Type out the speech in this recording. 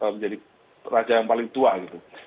menjadi raja yang paling tua gitu